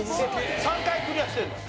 ３回クリアしてるの？